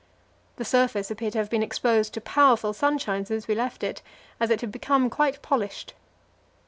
The surface appeared to have been exposed to powerful sunshine since we left it, as it had become quite polished.